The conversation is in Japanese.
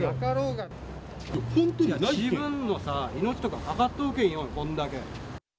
自分の命とかかかっとるけんよ、こんだけ。